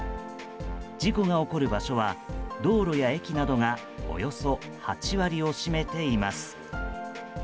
事故が起こる場所は道路や駅などがおよそ８割を占めています。